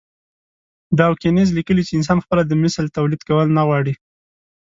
ډاوکېنز ليکلي چې انسان خپله د مثل توليد کول نه غواړي.